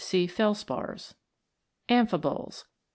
See Felspars. Amphiboles.